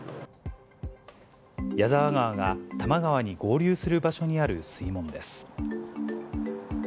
谷沢川が多摩川に合流する場所にある水門です。